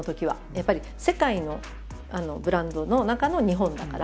やっぱり世界のブランドの中の日本だから。